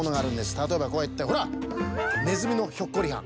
たとえばこうやってほらねずみのひょっこりはん。